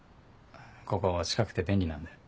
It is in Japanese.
ここ近くて便利なんだよ。